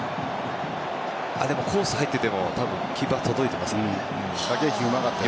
でもコースに入っていてもキーパー、届いてますね。